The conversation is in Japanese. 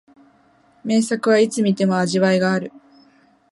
名作はいつ観ても味わいがある